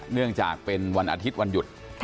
เนื่องจากเป็นวันอาทิตย์วันหยุด